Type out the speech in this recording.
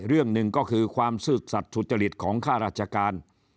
เรื่องหนึ่งก็คือความซื่อสัตว์สุจริตของข้าราชการ